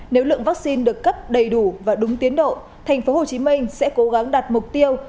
nếu lượng vaccine được cấp đầy đủ và đúng tiến độ thành phố hồ chí minh sẽ cố gắng đặt mục tiêu